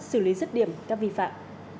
xử lý rứt điểm các vi phạm